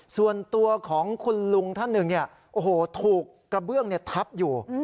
ส่วนตัวของคุณลุงท่านหนึ่งเนี่ยโอ้โหถูกกระเบื้องเนี่ยทับอยู่